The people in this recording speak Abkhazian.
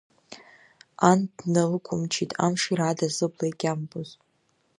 Ан дналықәымчит амшира ада зыбла егьамбоз.